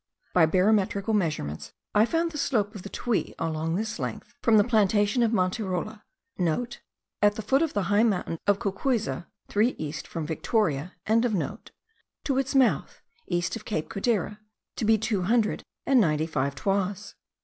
By barometrical measurements I found the slope of the Tuy along this length, from the plantation of Manterola* (* At the foot of the high mountain of Cocuyza, 3 east from Victoria.) to its mouth, east of Cape Codera, to be two hundred and ninety five toises.